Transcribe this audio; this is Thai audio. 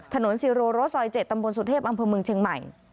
ถนนสิโรรถสอย๗ตำบลสุเทพอังพลเมืองเชียงใหม่